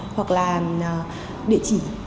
thời gian gần đây thì nhu cầu